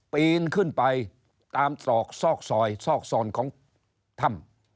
ปีนขึ้นไปตามศอกซอกซอยซอกซอนของถ้ำ